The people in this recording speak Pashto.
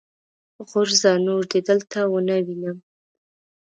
غورځه! نور دې دلته و نه وينم.